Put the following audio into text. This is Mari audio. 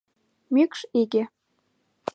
Мӱкш иге!